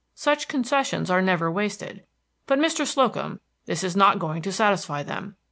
Such concessions are never wasted. But, Mr. Slocum, this is not going to satisfy them.